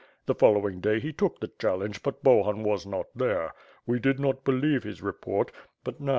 The following day he took the challenge, but Bahun was not there. We did not believe his report; but now.